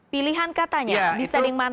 pilihan katanya bisa dimanai apa itu